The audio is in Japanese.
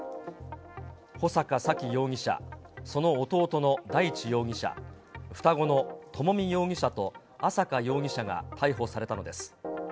穂坂沙喜容疑者、その弟の大地容疑者、双子の朝美容疑者と朝華容疑者が逮捕されたのです。